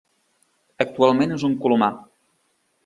Actualment és un colomar.